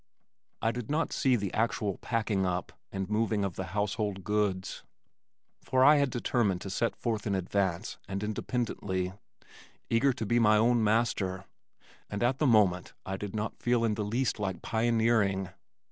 I did not see the actual packing up and moving of the household goods, for I had determined to set forth in advance and independently, eager to be my own master, and at the moment I did not feel in the least like pioneering.